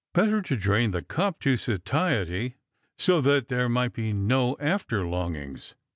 Better to drain the cup to satiety, so that there might be no after longings.